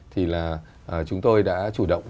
thì là chúng tôi đã chủ động